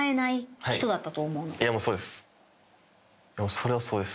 それはそうです